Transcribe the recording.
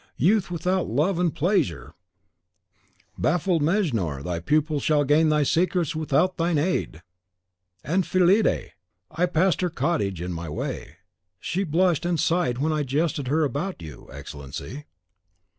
Youth without love and pleasure! Ha, ha! baffled Mejnour, thy pupil shall gain thy secrets without thine aid! "And Fillide! I passed her cottage in my way, she blushed and sighed when I jested her about you, Excellency!"